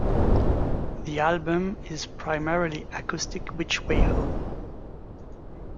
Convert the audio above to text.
The album is primarily acoustic-Which Way Home?